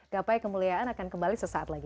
gapai kemuliaan akan kembali sesaat lagi